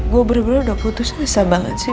gue bener bener udah putus asa banget sih